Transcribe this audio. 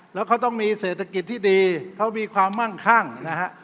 แล้วเขาต้องมีเศรษฐกิจที่ดีเขามีความมั่งคั่งนะฮะ